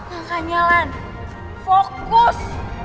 gak nyalan fokus